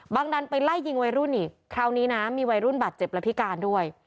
ดันไปไล่ยิงวัยรุ่นอีกคราวนี้นะมีวัยรุ่นบาดเจ็บและพิการด้วย